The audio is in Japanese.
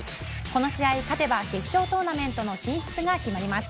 この試合に勝てば決勝トーナメントの進出が決まります。